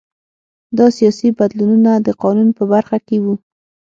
دا سیاسي بدلونونه د قانون په برخه کې وو